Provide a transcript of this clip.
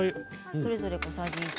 それぞれ小さじ１。